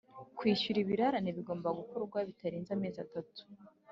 Kwishyura ibirarane bigomba gukorwa bitarenze amezi atatu